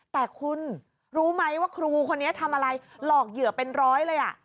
แต่คุณรู้ไหมว่าครูคนนี้ทำอะไรหลอกเหยื่อเป็นร้อยเลย